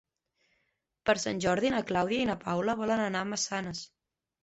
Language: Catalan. Per Sant Jordi na Clàudia i na Paula volen anar a Massanes.